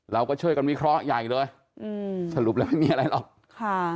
เราก็ช่วยกันวิเคราะห์ใหญ่เลยอืมสรุปแล้วไม่มีอะไรหรอกค่ะ